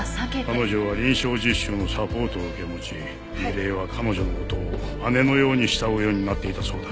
彼女は臨床実習のサポートを受け持ち楡井は彼女の事を姉のように慕うようになっていたそうだ。